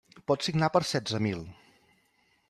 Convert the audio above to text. Pots signar per setze mil.